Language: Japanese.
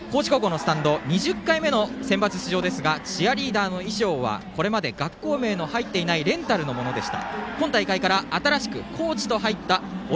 高知高校のスタンド２０回目のセンバツ出場ですがチアリーダーの衣装はこれまで学校名の入っていないレンタルのものでした。